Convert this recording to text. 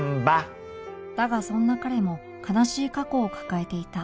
だがそんな彼も悲しい過去を抱えていた